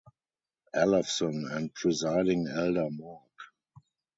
Ellefson and Presiding Elder Mork.